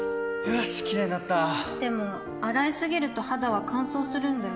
よしキレイになったでも、洗いすぎると肌は乾燥するんだよね